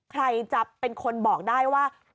ใครจะเป็นคนบอกได้ว่า